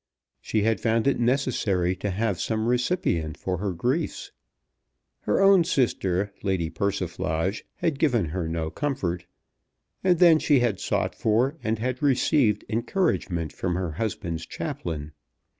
She had found it necessary to have some recipient for her griefs. Her own sister, Lady Persiflage, had given her no comfort, and then she had sought for and had received encouragement from her husband's chaplain.